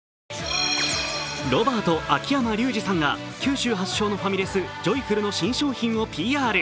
ロバート・秋山竜次さんが九州発祥のファミレス、ジョイフルの新商品をＰＲ。